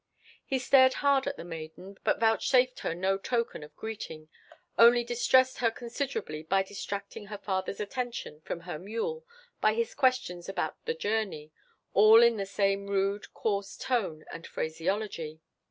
He stared hard at the maiden, but vouchsafed her no token of greeting—only distressed her considerably by distracting her father's attention from her mule by his questions about the journey, all in the same rude, coarse tone and phraseology.